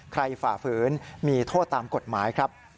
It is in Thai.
ฝ่าฝืนมีโทษตามกฎหมายครับ